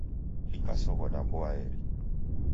Dikasoghoda mboaeri.